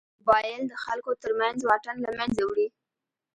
موبایل د خلکو تر منځ واټن له منځه وړي.